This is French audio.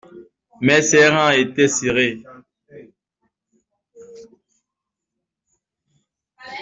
Mais ces rangs étaient serrés.